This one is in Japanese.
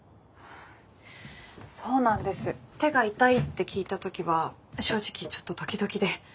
そうなんです手が痛いって聞いた時は正直ちょっとドキドキで。